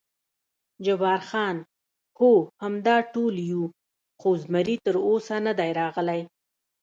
جبار خان: هو، همدا ټول یو، خو زمري تراوسه نه دی راغلی.